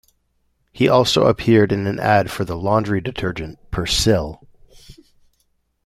He also appeared in an ad for the laundry detergent Persil.